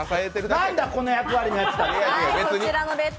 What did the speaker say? なんだ、この役割のやつら。